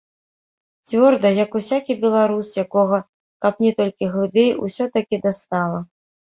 Цвёрда, як усякі беларус, якога, капні толькі глыбей, усё-такі дастала!